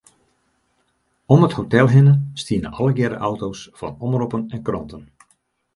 Om it hotel hinne stiene allegearre auto's fan omroppen en kranten.